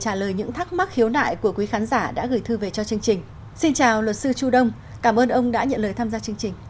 trả lời những thắc mắc hiếu nại của quý khán giả đã gửi thư về cho chương trình xin chào luật sư chu đông cảm ơn ông đã nhận lời tham gia chương trình